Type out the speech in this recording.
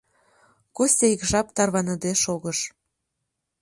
Костя ик жап тарваныде шогыш.